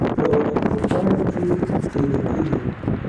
په فیسبوک پاڼه کې کې لیکلي